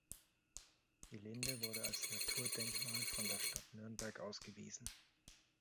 Die Linde wurde als Naturdenkmal von der Stadt Nürnberg ausgewiesen.